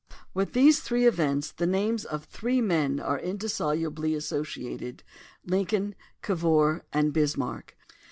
With these three events the names of three men are indissolubly associated — Lin coln, Cavour, and Bismarck.